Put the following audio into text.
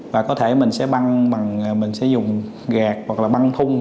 và có thể mình sẽ băng bằng mình sẽ dùng gạt hoặc là băng thung